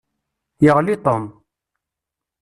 Yeɣli Tom.